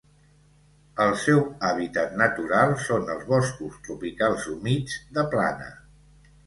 El seu hàbitat natural són els boscos tropicals humits de plana.